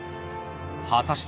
果たして、